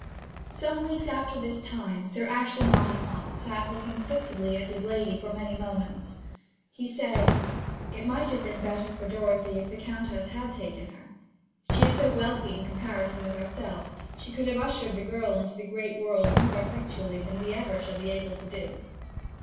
Some weeks after this time Sir Ashley Mottisfont sat looking fixedly at his lady for many moments. He said: 'It might have been better for Dorothy if the Countess had taken her. She is so wealthy in comparison with ourselves, and could have ushered the girl into the great world more effectually than we ever shall be able to do.'